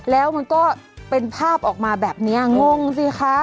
แล้วมันก็เป็นภาพออกมาแบบนี้งงสิคะ